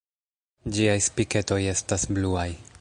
Ĝiaj spiketoj estas bluaj.